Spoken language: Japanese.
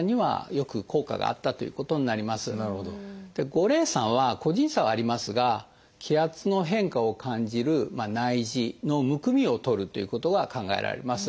五苓散は個人差はありますが気圧の変化を感じる内耳のむくみを取るということが考えられます。